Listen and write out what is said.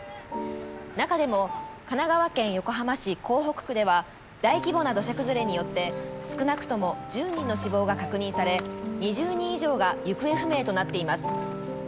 中でも神奈川県横浜市港北区では大規模な土砂崩れによって少なくとも１０人の死亡が確認され２０人以上が行方不明となっています。